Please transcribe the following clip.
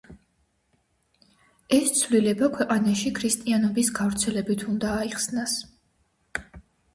ეს ცვლილება ქვეყანაში ქრისტიანობის გავრცელებით უნდა აიხსნას.